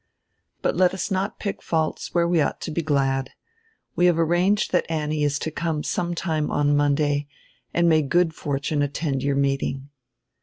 But let us not pick faults where we ought to be glad. We have arranged diat Annie is to come some time on Monday and may good fortune attend your meeting."